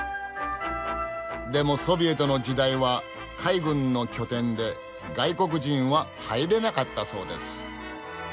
でもソビエトの時代は海軍の拠点で外国人は入れなかったそうです。